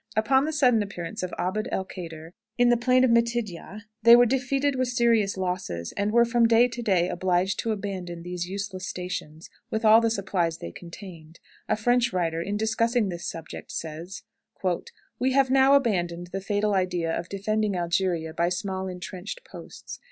Upon the sudden appearance of Abd el Kader in the plain of Mitidja, they were defeated with serious losses, and were from day to day obliged to abandon these useless stations, with all the supplies they contained. A French writer, in discussing this subject, says: "We have now abandoned the fatal idea of defending Algeria by small intrenched posts.